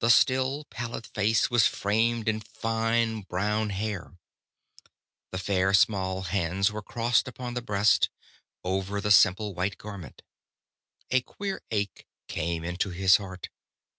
The still, pallid face was framed in fine brown hair. The fair, small hands were crossed upon the breast, over the simple white garment. A queer ache came into his heart.